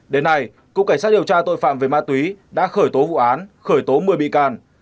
đến nay cục cảnh sát điều tra tội phạm về ma túy đã khởi tố vụ án khởi tố một mươi bị can